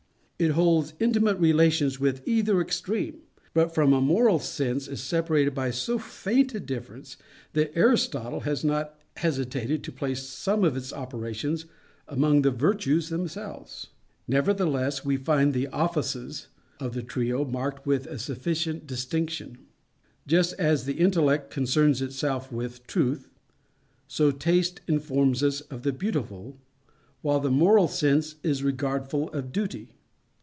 It holds intimate relations with either extreme; but from the Moral Sense is separated by so faint a difference that Aristotle has not hesitated to place some of its operations among the virtues themselves. Nevertheless we find the _offices _of the trio marked with a sufficient distinction. Just as the Intellect concerns itself with Truth, so Taste informs us of the Beautiful, while the Moral Sense is regardful of Duty.